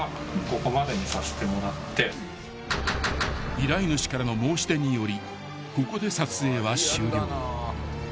［依頼主からの申し出によりここで撮影は終了］